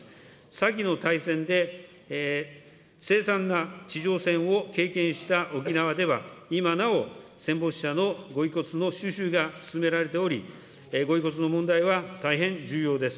先の大戦で、凄惨な地上戦を経験した沖縄では、今なお、戦没者のご遺骨の収集が進められており、ご遺骨の問題は大変重要です。